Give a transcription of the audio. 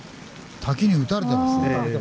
滝に打たれてますね。